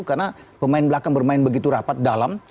karena pemain belakang bermain begitu rapat dalam